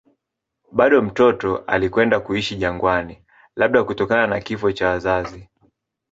Bado mtoto alikwenda kuishi jangwani, labda kutokana na kifo cha wazazi.